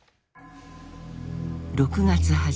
６月初め。